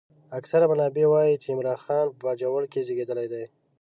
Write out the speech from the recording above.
اکثر منابع وايي چې عمرا خان په باجوړ کې زېږېدلی دی.